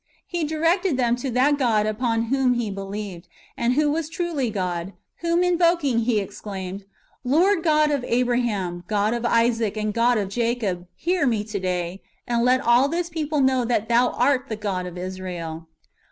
He directed them to that God upon whom he believed, and who was truly God; whom invoking, he exclaimed, "Lord God of Abraham, God of Isaac, and God of Jacob, hear me to day, and let all this people know that Thou art the God of Israel."